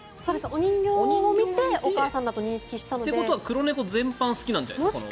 お人形を見てお母さんだと認識して。ということは黒猫全般が好きなんじゃないですか？